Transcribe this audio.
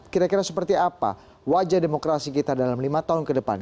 kira kira seperti apa wajah demokrasi kita dalam lima tahun ke depan